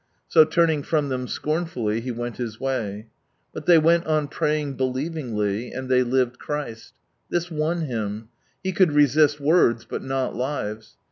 So turning from them scornfully, he went his way. But tliey went on praying believingly, and Ihny lived Cliriit. This won him. He could resist words, but not lives.